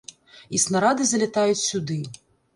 І снарады залятаюць сюды.